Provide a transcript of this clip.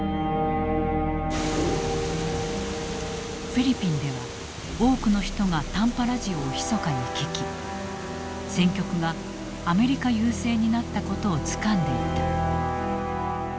フィリピンでは多くの人が短波ラジオをひそかに聞き戦局がアメリカ優勢になったことをつかんでいた。